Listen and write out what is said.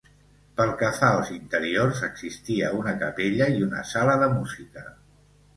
Pel que fa als interiors, existia una capella i una sala de música.